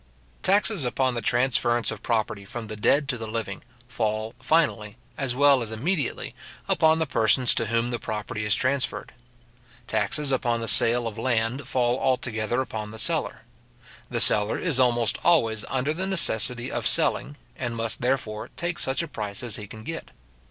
Taxes upon the transference of property from the dead to the living, fall finally, as well as immediately, upon the persons to whom the property is transferred. Taxes upon the sale of land fall altogether upon the seller. The seller is almost always under the necessity of selling, and must, therefore, take such a price as he can get.